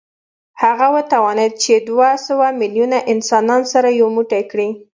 هغه وتوانېد چې دوه سوه میلیونه انسانان سره یو موټی کړي